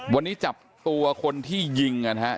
วันนี้จับตัวคนที่ยิงกันฮะ